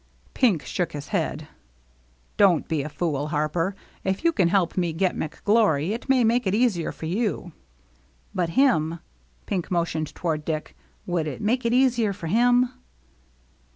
Pink shook his head. " Don't be a fool. Harper. If you can help me get McGlory, it may make it easier for you." " But him —" Pink motioned toward Dick —" would it make it easier for him